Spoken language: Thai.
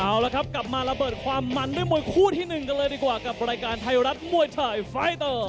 เอาละครับกลับมาระเบิดความมันด้วยมวยคู่ที่๑กันเลยดีกว่ากับรายการไทยรัฐมวยไทยไฟเตอร์